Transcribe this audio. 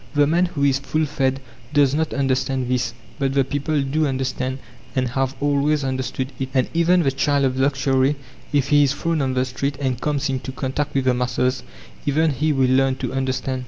The man who is full fed does not understand this, but the people do understand, and have always understood it; and even the child of luxury, if he is thrown on the street and comes into contact with the masses, even he will learn to understand.